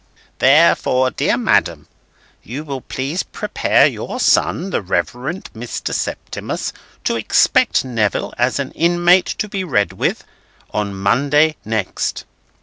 "'Therefore, dear Madam, you will please prepare your son, the Rev. Mr. Septimus, to expect Neville as an inmate to be read with, on Monday next.